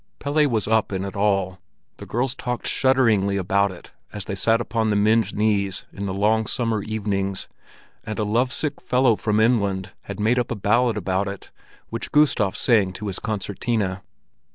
Pelle was up in it all. The girls talked shudderingly about it as they sat upon the men's knees in the long summer evenings, and a lovesick fellow from inland had made up a ballad about it, which Gustav sang to his concertina.